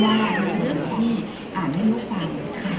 เพราะที่อ่านให้ลูกฟัง